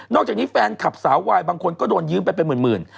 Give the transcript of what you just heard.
จากนี้แฟนคลับสาววายบางคนก็โดนยืมไปเป็นหมื่น